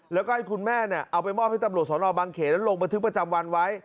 แล้วก็ให้คุณแม่เอาไปมอบให้ตำรวจสนบางเขตแล้วลงบันทึกประจำวันไว้